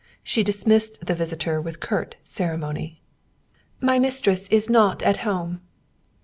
She dismissed the visitor with curt ceremony. "My mistress is not at home!"